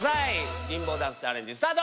リンボーダンスチャレンジスタート。